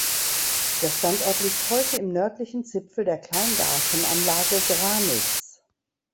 Der Standort liegt heute im nördlichen Zipfel der Kleingartenanlage Granitz.